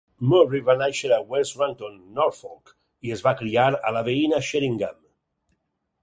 Murray va néixer a West Runton, Norfolk, i es va criar a la veïna Sheringham.